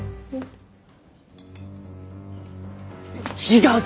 違う！